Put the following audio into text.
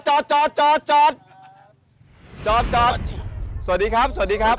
สวัสดีครับอ้าวพวกก็สวัสดีด้วยสิสวัสดีครับ